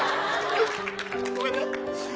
ごめんね。